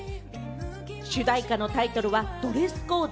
主題歌のタイトルは『ドレスコード』。